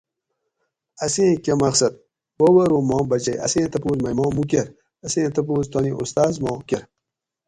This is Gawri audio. اسیں کہۤ مقصد ؟ بوب ارو ماں بچئ اسیں تپوس مئ ما مو کۤر اسیں تپوس تانی استاذ ما کۤر